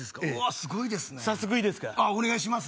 すごいですね早速いいですかお願いします